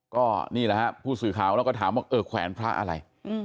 ก็นี่แหละฮะผู้สื่อข่าวเราก็ถามว่าเออแขวนพระอะไร